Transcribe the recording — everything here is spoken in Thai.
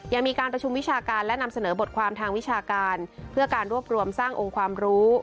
ยังมีการประชุมวิชาการและนำเสนอบทความทางวิชาการเพื่อการรวบรวมสร้างองค์ความรู้